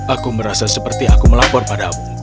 aku merasa seperti aku melapor padamu